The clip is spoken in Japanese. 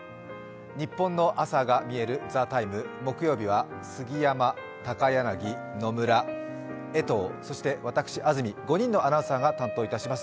ニッポンの朝がみえる「ＴＨＥＴＩＭＥ，」木曜日は杉山、高柳、野村、江藤、そして私、安住の５人のアナウンサーが担当いたします。